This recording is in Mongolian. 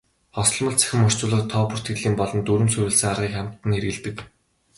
Хосолмол цахим орчуулгад тоо бүртгэлийн болон дүрэм суурилсан аргыг хамтад нь хэрэглэдэг.